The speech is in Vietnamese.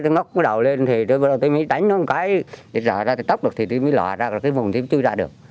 ngóc cái đầu lên thì tôi mới đánh nó một cái rỡ ra thì tóc được thì tôi mới lọa ra rồi cái mùng tôi mới chui ra được